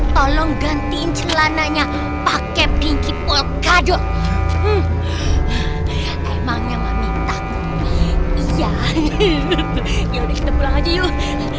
tolong gantiin celananya pakai pinki polkado emangnya minta ya ya udah kita pulang aja yuk